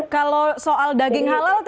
kalau soal daging halal